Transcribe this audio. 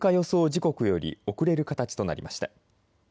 時刻より遅れる形となりました。